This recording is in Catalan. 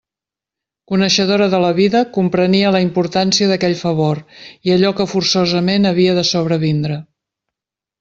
Coneixedora de la vida, comprenia la importància d'aquell favor i allò que forçosament havia de sobrevindre.